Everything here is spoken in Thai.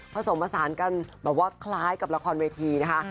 ผสมผสานกันแบบว่าคล้ายกับละครเวทีนะคะ